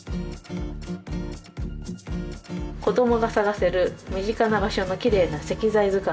「こどもが探せる身近な場所のきれいな石材図鑑」。